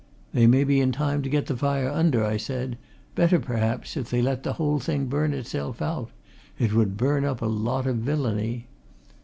"They may be in time to get the fire under," I said. "Better, perhaps, if they let the whole thing burn itself out. It would burn up a lot of villainy."